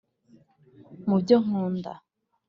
mubyo nkunda.